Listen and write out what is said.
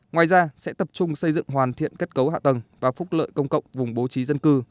ngoài ra sẽ tập trung xây dựng hoàn thiện kết cấu hạ tầng và phúc lợi công cộng vùng bố trí dân cư